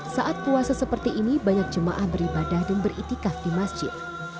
saat puasa seperti ini banyak jemaah beribadah dan beritikaf di masjid